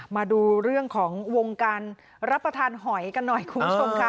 มาดูเรื่องของวงการรับประทานหอยกันหน่อยคุณผู้ชมค่ะ